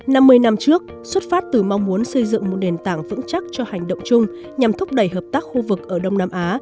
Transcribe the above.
năm mươi năm trước xuất phát từ mong muốn xây dựng một nền tảng vững chắc cho hành động chung nhằm thúc đẩy hợp tác khu vực ở đông nam á